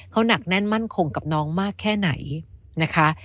เขาหนักแน่นมั่นคงกับน้องมากแค่ไหนนะคะ